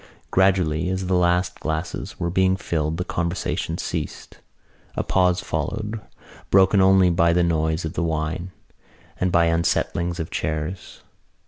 Gradually as the last glasses were being filled the conversation ceased. A pause followed, broken only by the noise of the wine and by unsettlings of chairs.